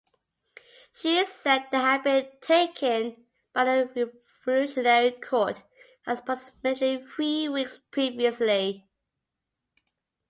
She said they had been taken by the Revolutionary Court approximately three weeks previously.